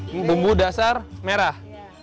ini bumbu dasar merah